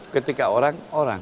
ketika orang orang